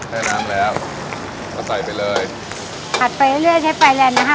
ใส่น้ำแล้วก็ใส่ไปเลยผัดไปเรื่อยใช้ไฟแรงนะคะ